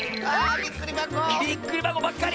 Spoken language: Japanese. びっくりばこばっかり！